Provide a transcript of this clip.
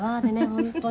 本当に」